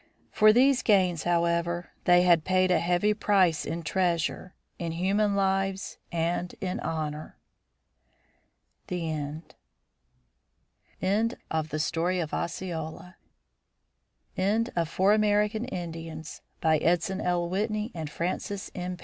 For these gains, however, they had paid a heavy price in treasure, in human lives, and in honor. END End of the Project Gutenberg EBook of Four American Indians, by Edson L. Whitney and Frances M.